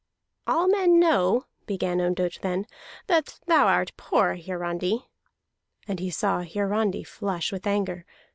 "All men know," began Ondott then, "that thou art poor, Hiarandi." And he saw Hiarandi flush with anger.